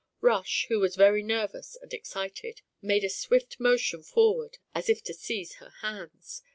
Rush, who was very nervous and excited, made a swift motion forward as if to seize her hands.